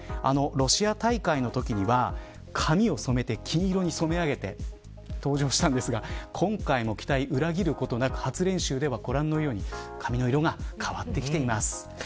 ロシア大会のときには髪を金色に染め上げて登場したんですが今回も期待、裏切ることなく初練習では、ご覧のように髪の色が変わってきています。